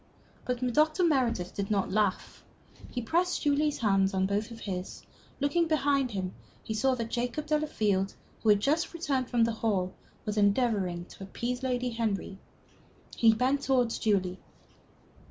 But Dr. Meredith did not laugh. He pressed Julie's hand in both of his. Looking behind him, he saw that Jacob Delafield, who had just returned from the hall, was endeavoring to appease Lady Henry. He bent towards Julie.